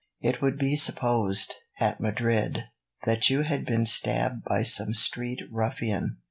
It would be supposed, at Madrid, that you had been stabbed by some street ruffian.